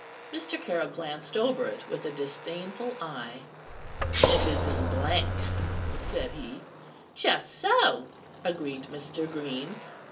Mr. Caryll glanced over it with a disdainful eye. "It is in blank," said he. "Just so," agreed Mr. Green.